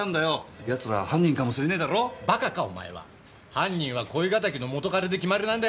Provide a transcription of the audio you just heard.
犯人は恋敵の元カレで決まりなんだよ！